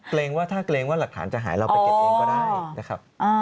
ว่าถ้าเกรงว่าหลักฐานจะหายเราไปเก็บเองก็ได้นะครับ